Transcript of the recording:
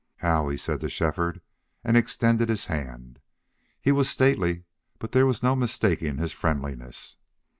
"How," he said to Shefford, and extended his hand. He was stately, but there was no mistaking his friendliness.